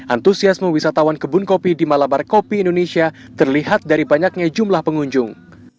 antusiasme wisatawan kebun kopi di malabar kopi indonesia terlihat dari banyaknya jumlah pengunjung